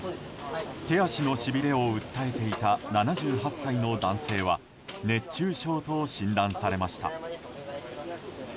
手足のしびれを訴えていた７８歳の男性は熱中症と診断されました。